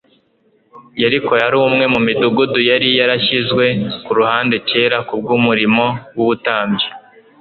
Yeriko yari umwe mu midugudu yari yarashyizwe ku ruhande kera kubw'umurimo w'ubutambyi,